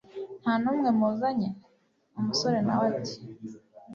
ntanumwe muzanye! umusore nawe ati